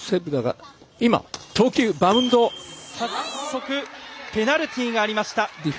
早速ペナルティーがありました。